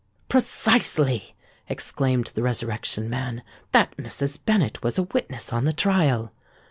"Precisely!" exclaimed the Resurrection Man. "That Mrs. Bennet was a witness on the trial.